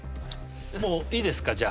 もういいですか？